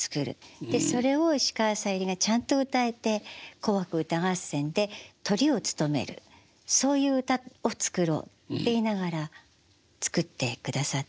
でそれを石川さゆりがちゃんと歌えて「紅白歌合戦」でトリを務めるそういう歌を作ろうって言いながら作ってくださったんですね。